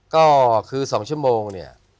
ก็คือ๒ชั่วโมงเนี่ย